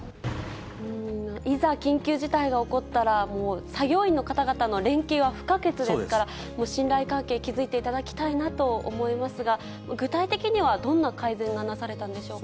いざ緊急事態が起こったら、もう作業員の方々の連携は不可欠ですから、信頼関係、築いていただきたいなと思いますが、具体的にはどんな改善がなされたんでしょうか。